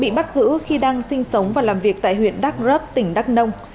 bị bắt giữ khi đang sinh sống và làm việc tại huyện đắk rớp tỉnh đắk nông